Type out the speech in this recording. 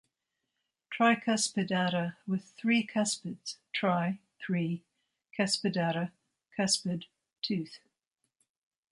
'Tricuspidata' 'with three cuspids' 'tri' - 'three', 'cuspidata' - 'cuspid', 'tooth'.